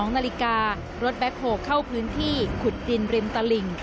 ๒นาฬิการถแบ็คโฮลเข้าพื้นที่ขุดดินริมตลิ่ง